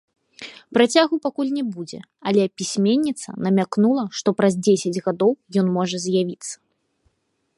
Працягу пакуль не будзе, але пісьменніца намякнула, што праз дзесяць гадоў ён можа з'явіцца.